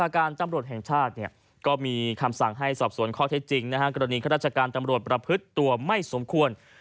กรณีข้าราชการตำรวจประพฤติตัวไม่สมควร